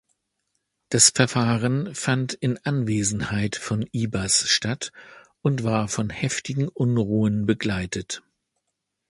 Das Verfahren fand in Anwesenheit von Ibas statt und war von heftigen Unruhen begleitet.